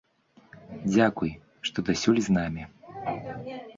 Дзякуй, што дасюль з намі.